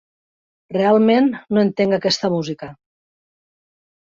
Realment no entenc aquesta música.